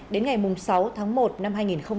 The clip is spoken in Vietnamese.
đến ngày sáu tháng một năm hai nghìn hai mươi